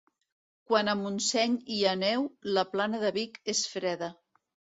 Quan a Montseny hi ha neu, la plana de Vic és freda.